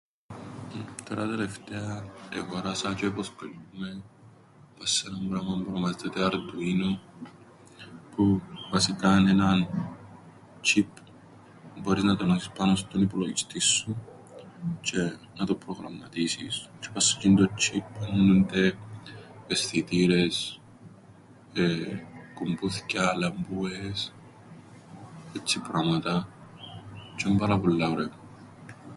Τωρά τελευταία εγόρασα τζ̆αι ποσκολιούμαι πά' σε έναν πράμαν που ονομάζεται Arduino που βασικά εν' έναν τσ̆ιπ που μπόρεις να το ενώσεις πάνω στον υπολογιστήν σου τζ̆αι να το προγραμματίσεις, τζ̆αι πά' σε τζ̆είντο τσ̆ιπ ενώννουνται αισθητήρες, κουμπούθκια, λαμπο΄υες, έτσι πράματα, τζ̆αι εν' πάρα πολλά ωραίον.